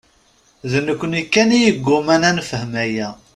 D nekkni kan i yeǧǧuman ad nefhem aya.